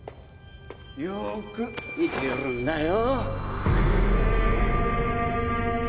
よく見てるんだよ。